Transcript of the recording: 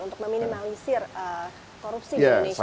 untuk meminimalisir korupsi di indonesia